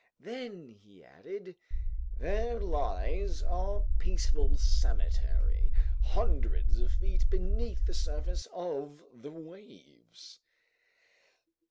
Then he added: "There lies our peaceful cemetery, hundreds of feet beneath the surface of the waves!"